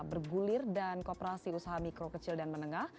bergulir dan kooperasi usaha mikro kecil dan menengah